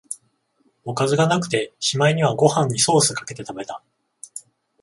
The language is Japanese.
おかずがなくて、しまいにはご飯にソースかけて食べた